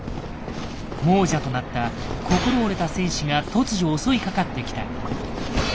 亡者となった心折れた戦士が突如襲いかかってきた。